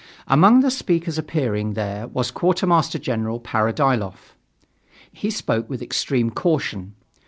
Among the speakers appearing there was Quartermaster General Paradyelof. He spoke with extreme caution.